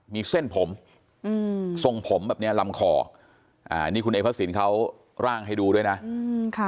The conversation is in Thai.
มีเส้นผมอืมทรงผมแบบเนี้ยลำคออ่านี่คุณเอพระสินเขาร่างให้ดูด้วยนะ